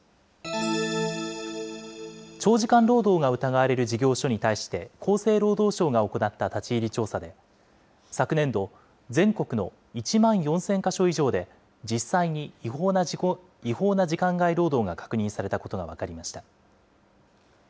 長時間労働が疑われる事業所に対して厚生労働省が行った立ち入り調査で、昨年度、全国の１万４０００か所以上で実際に違法な時間外労働が確認されたことが分かりました。